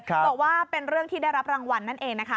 บอกว่าเป็นเรื่องที่ได้รับรางวัลนั่นเองนะคะ